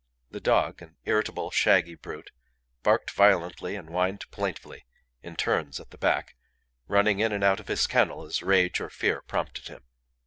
The dog, an irritable, shaggy brute, barked violently and whined plaintively in turns at the back, running in and out of his kennel as rage or fear prompted him.